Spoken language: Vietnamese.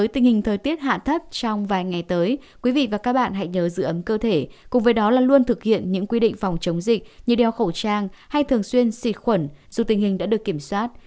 tình hình thời tiết hạ thấp trong vài ngày tới quý vị và các bạn hãy nhớ giữ ấm cơ thể cùng với đó là luôn thực hiện những quy định phòng chống dịch như đeo khẩu trang hay thường xuyên xịt khuẩn dù tình hình đã được kiểm soát